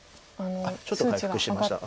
ちょっと回復しましたか。